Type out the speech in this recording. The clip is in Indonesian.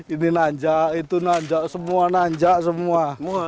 ini nanjak itu nanjak semua nanjak semua